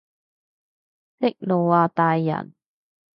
息怒啊大人